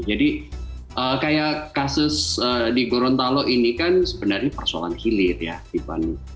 jadi kayak kasus di gorontalo ini kan sebenarnya persoalan hilir ya